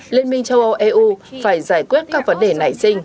liên minh châu âu eu phải giải quyết các vấn đề nảy sinh